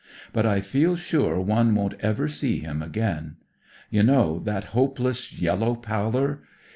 But I feel sure one won't ever secf him again. You know that hopeless yellow pallor.